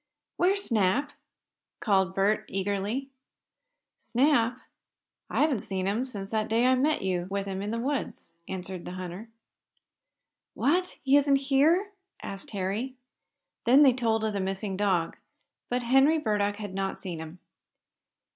"Where's Snap?" called Bert, eagerly. "Snap? I haven't seen him since that day I met you with him in the woods," answered the hunter. "What! Isn't he here?" asked Harry. Then they told of the missing dog. But Henry Burdock had not seen him.